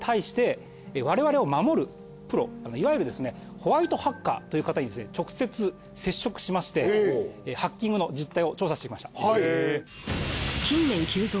ホワイトハッカーという方にですね直接接触しましてハッキングの実態を調査してきました。